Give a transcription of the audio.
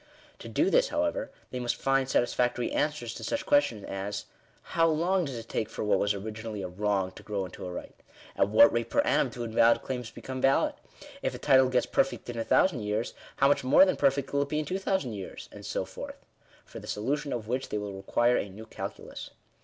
To do this, however, they must find satisfactory answers to such questions as — How long does it take for what was originally a wrong to grow into a right t At what rate per annum do invalid claims become valid ? If a title gets perfect in a thousand years, how much more than perfect will it be in two thousand years ?— and so forth. For the solution of which they will require a new calculus.